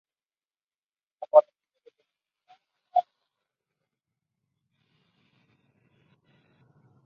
Enamoramiento que transformará a Raimundo de un hombre ingenuo y humilde a un asesino.